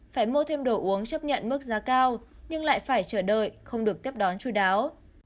phải mua thêm đồ uống chấp nhận mức giá cao nhưng lại phải chờ đợi không được tiếp đón chú đáo